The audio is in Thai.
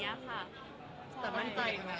ว่ามันจะมาทางไหนอะไรอย่างเงี้ยค่ะ